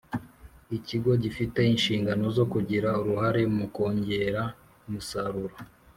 ikigo gifite inshingano zo kugira uruhare mu kongera umusaruro .